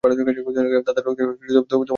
তাদের রক্তে তোমার হাত রঞ্জিত হয়েছে।